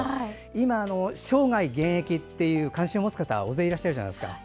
今、生涯現役という関心を持つ方大勢いらっしゃるじゃないですか。